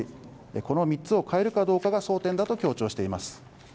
この３つを変えるかどうかが争点だと強調しています